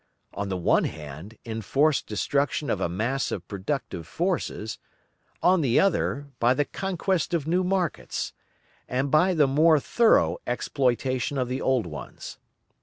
On the one hand inforced destruction of a mass of productive forces; on the other, by the conquest of new markets, and by the more thorough exploitation of the old ones.